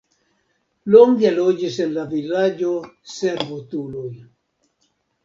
Longe loĝis en la vilaĝo servutuloj.